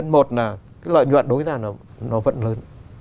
một là cái lợi nhuận đối với ta nó vẫn lớn